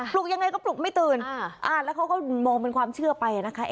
ลุกยังไงก็ปลุกไม่ตื่นแล้วเขาก็มองเป็นความเชื่อไปนะคะ